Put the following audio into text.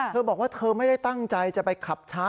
เธอบอกว่าเธอไม่ได้ตั้งใจจะไปขับช้า